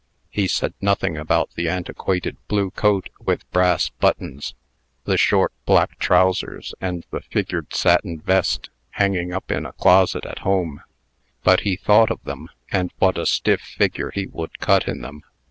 He said nothing about the antiquated blue coat with brass buttons, the short, black trousers, and the figured satin vest, hanging up in a closet at home; but he thought of them, and what a stiff figure he would cut in them.